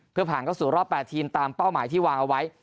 เพื่อผ่านเข้าสู่รอบ๘ทีมตามเป้าหมายที่วางเอาไว้